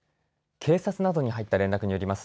警察などに入った連絡によります